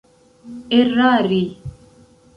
erari